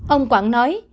ông quảng nói